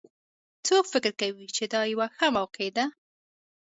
څوک فکر کوي چې دا یوه ښه موقع ده